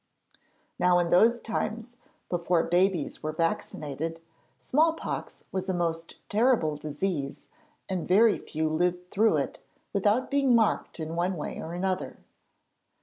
Now in those times, before babies were vaccinated, small pox was a most terrible disease and very few lived through it without being marked in one way or another.